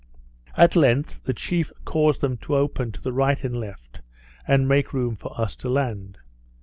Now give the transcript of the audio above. At length the chief caused them to open to the right and left, and make room for us to land.